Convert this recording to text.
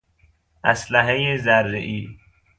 اسلحه ذرهای